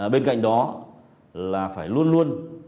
bên cạnh đó là phải luôn luôn